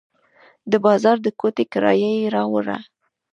د بازار د کوټې کرایه یې راوړه.